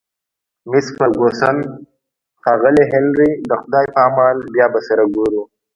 مس فرګوسن: ښاغلی هنري، د خدای په امان، بیا به سره ګورو.